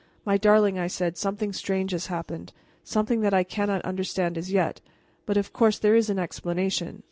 "My darling," I said "something strange has happened something that I cannot understand as yet. But, of course, there is an explanation.